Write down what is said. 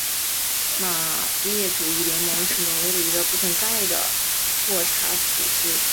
马列主义联盟是挪威的一个已不存在的霍查主义组织。